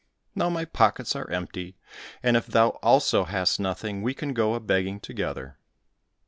Now my pockets are empty, and if thou also hast nothing we can go a begging together."